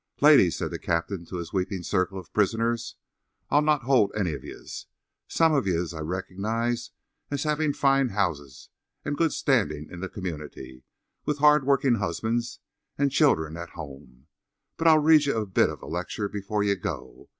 "Ladies," said the captain to his weeping circle of prisoners, "I'll not hold any of yez. Some of yez I recognize as having fine houses and good standing in the community, with hard working husbands and childer at home. But I'll read ye a bit of a lecture before ye go.